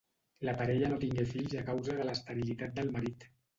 La parella no tingué fills a causa de l'esterilitat del marit.